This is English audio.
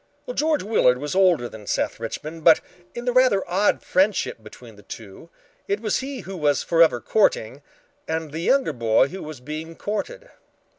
George Willard was older than Seth Richmond, but in the rather odd friendship between the two, it was he who was forever courting and the younger boy who was being courted.